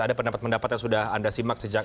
ada pendapat pendapat yang sudah anda simak sejak